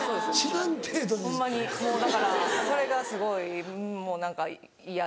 ホンマにもうだからそれがすごいもう何か嫌です。